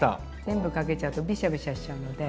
全部かけちゃうとびしゃびしゃしちゃうので。